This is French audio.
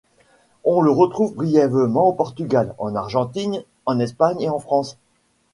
On le retrouve brièvement au Portugal, en Argentine, en Espagne et en France.